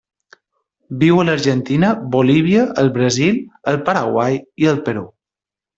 Viu a l'Argentina, Bolívia, el Brasil, el Paraguai i el Perú.